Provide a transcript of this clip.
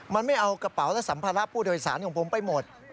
มันไม่เอากระเป๋าและสัมภาระผู้โดยสารของผมไปหมด